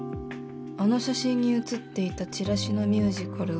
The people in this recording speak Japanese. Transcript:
「あの写真に写っていたチラシのミュージカルは」